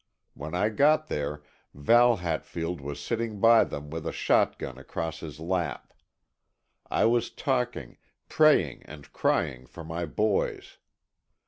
When I got there, Val Hatfield was sitting by them with a shotgun across his lap. I was talking, praying and crying for my boys.